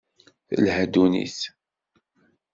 Telha ddunit.